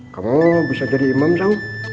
kamu bisa jadi imam dong